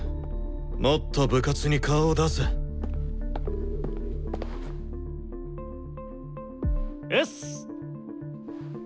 もっと部活に顔を出せ。うす！